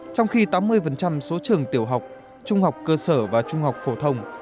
trong khi tám mươi số trường tiểu học trung học cơ sở và trung học phổ thông